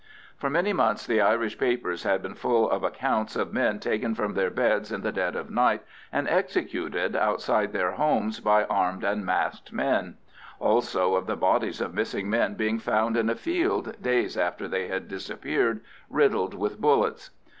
For many months the Irish papers had been full of accounts of men taken from their beds in the dead of night and executed outside their homes by armed and masked men; also of the bodies of missing men being found in a field, days after they had disappeared, riddled with bullets.